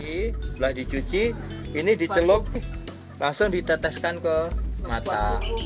ini telah dicuci ini diceluk langsung diteteskan ke mata